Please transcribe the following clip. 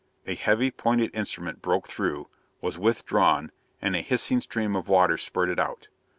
A heavy, pointed instrument broke through; was withdrawn; and a hissing stream of water spurted out.